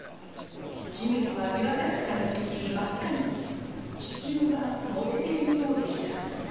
地面は見渡すかぎり真っ赤に地球が燃えているようでした。